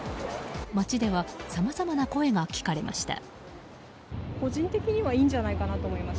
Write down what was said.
街では、さまざまな声が聞かれました。